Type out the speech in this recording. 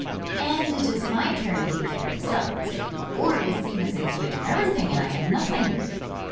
'And it is my turn to take care of the stone,' said he, 'or it will seem as if you had done everything and I nothing.